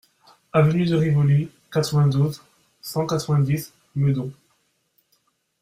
Avenue de Rivoli, quatre-vingt-douze, cent quatre-vingt-dix Meudon